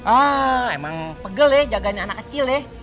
ah emang pegel ya jaganya anak kecil ya